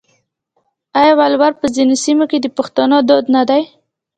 آیا ولور په ځینو سیمو کې د پښتنو دود نه دی؟